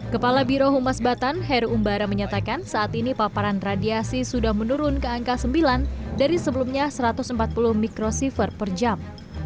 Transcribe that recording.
kepala birohumas batan heru umbara menyatakan saat ini paparan radiasi sudah menurun ke angka sembilan dari sebelumnya satu ratus empat puluh mikrosifer per jam